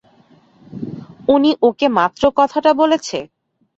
উনি ওকে মাত্র কথাটা বলেছে?